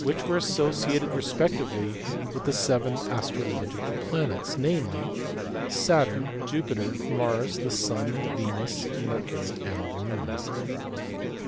were associated respectively with the seven astrological "planets:" namely, Saturn, Jupiter, Mars, the Sun, Venus, Mercury, and the Moon.